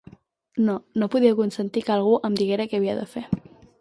No, no podia consentir que algú em diguera què havia de fer.